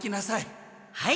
はい。